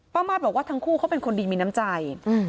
มาสบอกว่าทั้งคู่เขาเป็นคนดีมีน้ำใจ